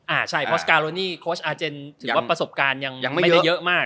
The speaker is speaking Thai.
อ่าใช่เพราะสกาโลนี่โค้ชอาเจนถือว่าประสบการณ์ยังไม่ได้เยอะมาก